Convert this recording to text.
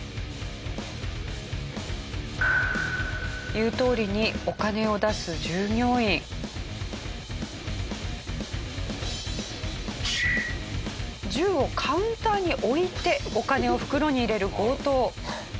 言うとおりに銃をカウンターに置いてお金を袋に入れる強盗。